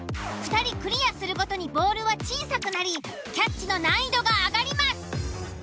２人クリアするごとにボールは小さくなりキャッチの難易度が上がります。